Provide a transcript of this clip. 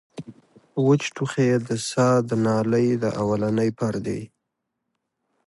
وچ ټوخی د ساه د نالۍ د اولنۍ پردې